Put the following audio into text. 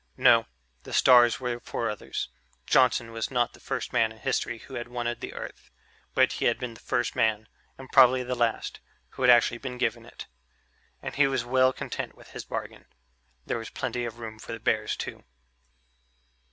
No, the stars were for others. Johnson was not the first man in history who had wanted the Earth, but he had been the first man and probably the last who had actually been given it. And he was well content with his bargain. There was plenty of room for the bears too.